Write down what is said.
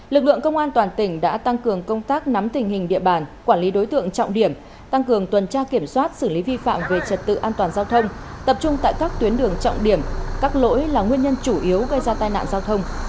lực lượng công an toàn tỉnh đã tăng cường công tác nắm tình hình địa bàn quản lý đối tượng trọng điểm tăng cường tuần tra kiểm soát xử lý vi phạm về trật tự an toàn giao thông tập trung tại các tuyến đường trọng điểm các lỗi là nguyên nhân chủ yếu gây ra tai nạn giao thông